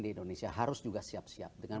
di indonesia harus juga siap siap dengan